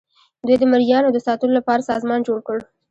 دوی د مرئیانو د ساتلو لپاره سازمان جوړ کړ.